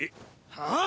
はあ？